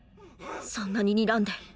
そんなににらんで。